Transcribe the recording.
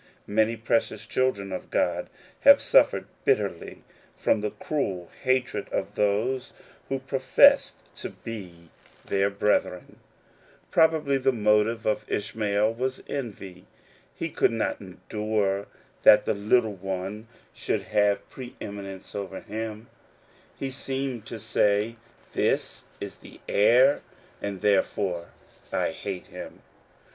Many precious children of God have suffered bitterly from the cruel hatred of those who professed to be their brethren. j6 According to the Promise. Probably the motive of Ishmael was envy; he could not endure that the little one should have pre eminence over himself. He seemed to say, "This is the heir, and therefore I hate him."